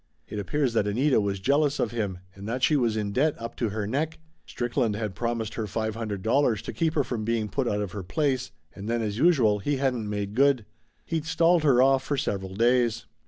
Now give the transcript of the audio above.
It appears that Anita was jealous of him, and that she was in debt up to her neck. Strick land had promised her five hundred dollars to keep her from being put out of her place, and then as usual, he hadn't made good. He'd stalled her off for several days.